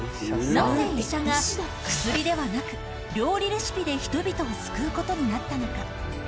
なぜ医者が、薬ではなく、料理レシピで人々を救うことになったのか。